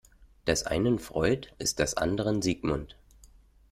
Des einen Freud ist des anderen Sigmund.